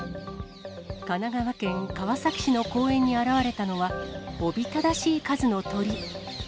神奈川県川崎市の公園に現れたのは、おびただしい数の鳥。